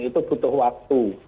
itu butuh waktu